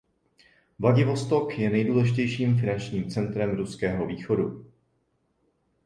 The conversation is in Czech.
Vladivostok je nejdůležitějším finančním centrem ruského východu.